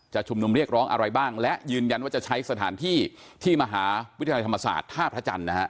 ชุมนุมเรียกร้องอะไรบ้างและยืนยันว่าจะใช้สถานที่ที่มหาวิทยาลัยธรรมศาสตร์ท่าพระจันทร์นะฮะ